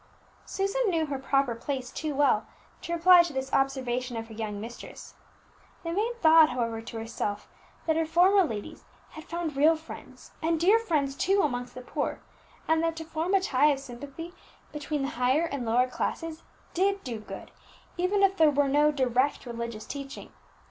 Susan knew her proper place too well to reply to this observation of her young mistress; the maid thought, however, to herself that her former ladies had found real friends and dear friends too amongst the poor, and that to form a tie of sympathy between the higher and lower classes did do good, even if there were no direct religious teaching.